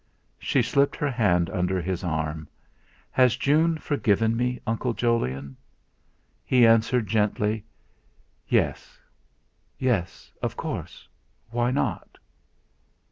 She slipped her hand under his arm: "Has June forgiven me, Uncle Jolyon?" He answered gently: "Yes yes; of course, why not?"